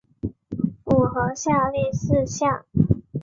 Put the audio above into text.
符合下列事项